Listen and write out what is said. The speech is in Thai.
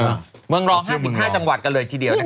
เมืองรอง๕๕จังหวัดกันเลยทีเดียว